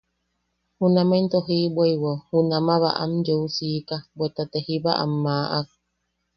Junak into jiʼibweiwao junamaʼa baʼam yeu siika bweta te jíba am maʼak.